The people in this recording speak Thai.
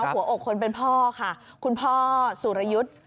หัวอกคนเป็นพ่อค่ะคุณพ่อสุรยุทธ์